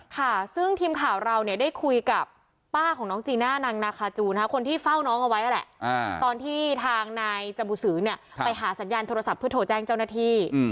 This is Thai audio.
ค่ะซึ่งทีมข่าวเราเนี่ยได้คุยกับป้าของน้องจีน่านางนาคาจูนคนที่เฝ้าน้องเอาไว้นั่นแหละตอนที่ทางนายจบูสือเนี่ยไปหาสัญญาณโทรศัพท์เพื่อโทรแจ้งเจ้าหน้าที่